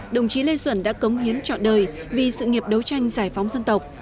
đồng chí lê duẩn đã cống hiến trọn đời vì sự nghiệp đấu tranh giải phóng dân tộc